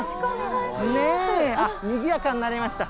ねぇ、あっ、にぎやかになりました。